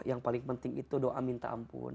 yang paling penting itu doa minta ampun